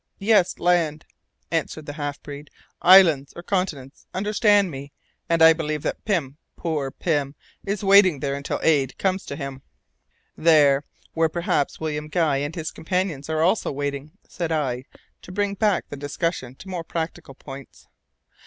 "Yes, land," answered the half breed. "Islands or continent understand me and I believe that Pym, poor Pym, is waiting there until aid comes to him." "There, where perhaps William Guy and his companions are also waiting," said I, to bring back the discussion to more practical points.